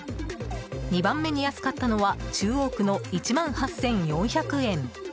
２番目に安かったのは中央区の１万８４００円。